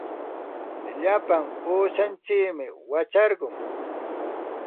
Lapa uushantsikmi wacharqun.